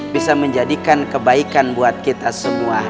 bisa menjadikan kebaikan buat kita semua